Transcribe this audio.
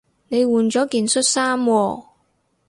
你換咗件恤衫喎